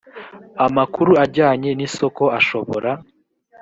amakuru ajyanye n isoko ashobora